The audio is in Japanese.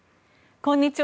こんにちは。